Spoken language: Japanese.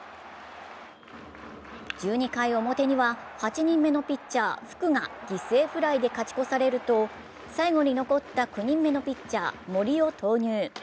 １２回表には、８人目のピッチャー福が犠牲フライで勝ち越されると最後に残った９人目のピッチャー森を投入。